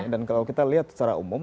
dan kalau kita lihat secara umum